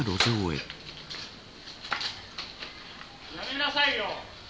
やめなさいよ。